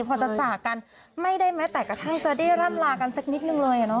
พอตัดสระกันไม่ได้แม่แต่กระทั่งจะได้รับลากันสักนิดนึงเลยเนอะ